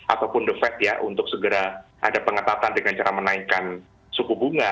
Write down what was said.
ataupun the fed ya untuk segera ada pengetatan dengan cara menaikkan suku bunga